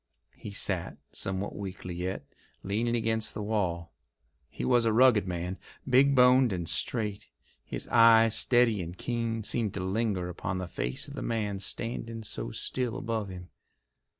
He sat, somewhat weakly yet, leaning against the wall. He was a rugged man, big boned and straight. His eyes, steady and keen, seemed to linger upon the face of the man standing so still above him.